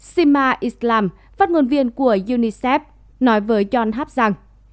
sema islam phát ngôn viên của unicef nói với john hap rằng